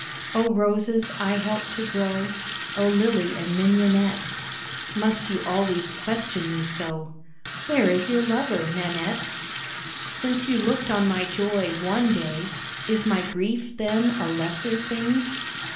Oh, roses I helped to grow, Oh, lily and mignonette, Must you always question me so, "Where is your lover, Nanette?" Since you looked on my joy one day, Is my grief then a lesser thing?